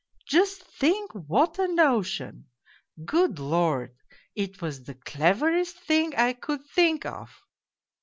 Just think what a notion! Good Lord, it was the cleverest thing I could think of